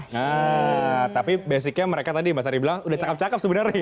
nah tapi basicnya mereka tadi mbak sari bilang udah cakep cakap sebenarnya